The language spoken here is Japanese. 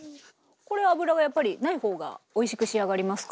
これ油がやっぱりない方がおいしく仕上がりますか？